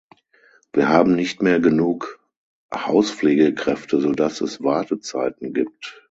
Wir haben nicht mehr genug Hauspflegekräfte, so dass es Wartezeiten gibt.